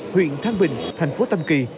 huyện thang bình thành phố tâm kỳ